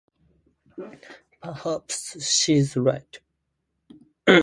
Perhaps she's right.